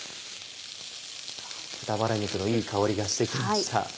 豚バラ肉のいい香りがして来ました。